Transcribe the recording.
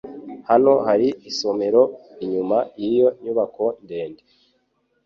Hano hari isomero inyuma yiyo nyubako ndende.